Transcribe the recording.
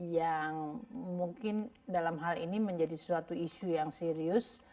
yang mungkin dalam hal ini menjadi suatu isu yang serius